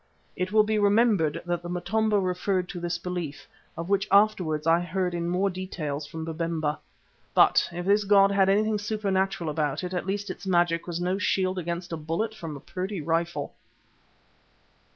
It will be remembered that the Motombo referred to this belief, of which afterwards I heard in more detail from Babemba. But if this god had anything supernatural about it, at least its magic was no shield against a bullet from a Purdey rifle.